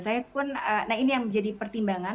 saya pun nah ini yang menjadi pertimbangan